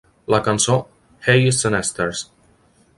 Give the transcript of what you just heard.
La cançó "Hey Scenesters!"